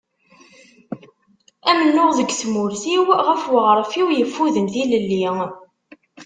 Amennuɣ deg tmurt-iw, ɣef uɣref-iw yeffuden tilelli.